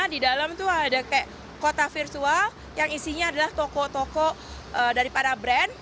di dalam itu ada kota virtual yang isinya adalah toko toko daripada brand